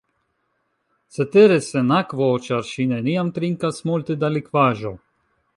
Cetere sen akvo, ĉar ŝi neniam trinkas multe da likvaĵo.